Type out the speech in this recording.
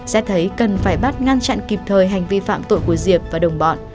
xét thấy cần phải bắt ngăn chặn kịp thời hành vi phạm tội của diệp và đồng bọn